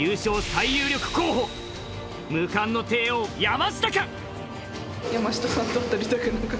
最有力候補無冠の帝王山下か？